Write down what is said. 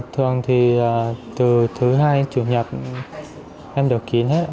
thường thì từ thứ hai chủ nhật em đều kín hết